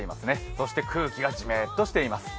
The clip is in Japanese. そして空気がジメッとしています。